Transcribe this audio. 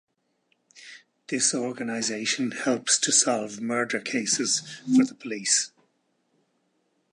This organization helps to solve murder cases for the police.